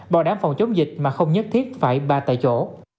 bảo đảm phòng chống dịch mà không nhất thiết phải ba tại chỗ